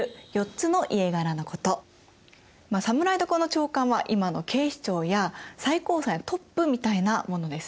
侍所の長官は今の警視庁や最高裁のトップみたいなものですね。